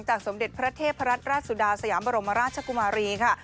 สมเด็จพระเทพรัตนราชสุดาสยามบรมราชกุมารีค่ะ